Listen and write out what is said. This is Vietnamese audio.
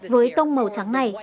với tông màu trắng này